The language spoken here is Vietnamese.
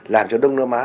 làm cho đông nam á